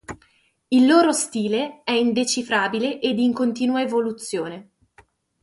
Il loro stile è indecifrabile ed in continua evoluzione.